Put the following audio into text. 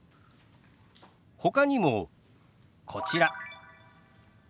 ほかにもこちら。